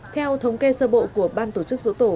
theo thống kê sơ bộ của ban tổ chức dỗ tổ